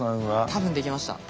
多分できました。